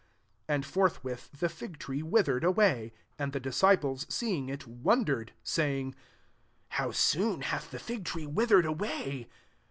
And forthwith, the fig tree withered away. 20 And the disciples seeing iV, wondered, saykE^ <*How soon hath the fig tree withered away!"